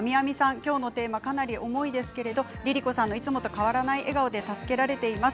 今日のテーマかなり重いですけれどＬｉＬｉＣｏさんのいつもと変わらない笑顔で助けられています。